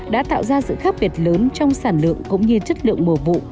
đã tạo ra sự khác biệt lớn trong sản lượng cũng như chất lượng mùa vụ